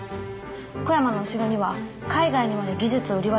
小山の後ろには海外にまで技術を売り渡す組織がいます。